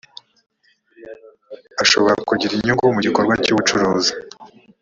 ashobora kugira inyungu mu gikorwa cy ubucuruzi